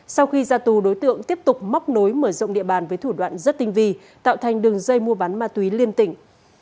sau khi ra tù đối tượng tiếp tục móc nối mở rộng địa bàn với thủ đoạn rất tinh vi tạo thành đường dây mua bán ma túy liên tỉnh